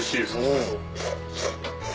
うん。